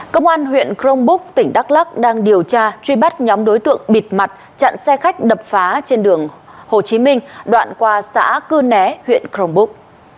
công an huyện crong búc tỉnh đắk lắc đang điều tra truy bắt nhóm đối tượng bịt mặt chặn xe khách đập phá trên đường hồ chí minh đoạn qua xã cư né huyện crong búc